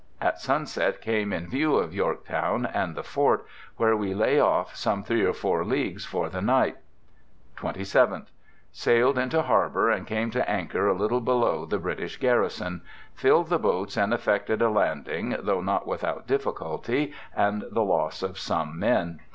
At sunset came in view of York Town and the Fort, where we lay ofl[ some 3 or 4 leagues for the night. ' "27th. Sailed into harbour and came to anchor a little below the British Garrison. Filled the boats and effected a landing, though not without difficulty and the loss of some men.